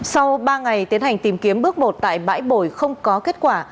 sau ba ngày tiến hành tìm kiếm bước một tại bãi bồi không có kết quả